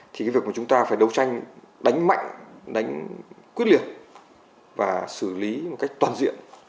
thì cái việc mà chúng ta phải đấu tranh đánh mạnh đánh quyết liệt và xử lý một cách toàn diện